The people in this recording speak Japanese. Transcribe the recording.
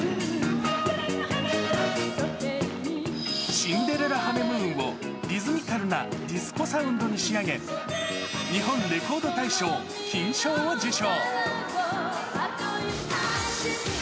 シンデレラ・ハネムーンを、リズミカルなディスコサウンドに仕上げ、日本レコード大賞金賞を受賞。